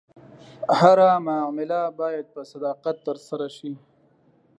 هره معامله باید په صداقت ترسره شي.